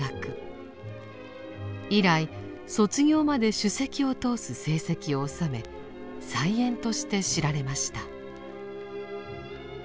以来卒業まで首席を通す成績をおさめ才媛として知られました。